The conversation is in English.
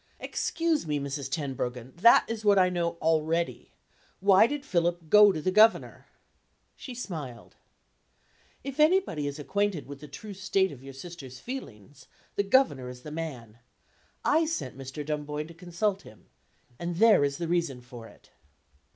"Excuse me, Mrs. Tenbruggen, that is what I know already. Why did Philip go to the Governor?" She smiled. "If anybody is acquainted with the true state of your sister's feelings, the Governor is the man. I sent Mr. Dunboyne to consult him and there is the reason for it."